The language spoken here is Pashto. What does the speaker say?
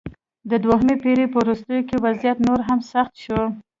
د دویمې پېړۍ په وروستیو کې وضعیت نور هم سخت شو